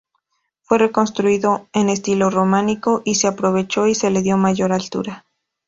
Fue reconstruido en estilo románico, y se aprovechó y se le dio mayor altura.